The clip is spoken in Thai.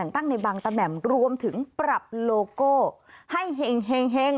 ตั้งในบางตำแหน่งรวมถึงปรับโลโก้ให้เห็ง